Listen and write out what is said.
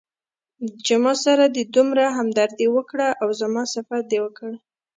چې ماسره دې دومره همدردي وکړه او زما صفت دې وکړ.